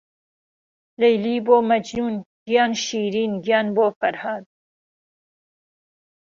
لهیلێ بۆ مهجنوون، گیان شیرین گیان بۆ فهرهاد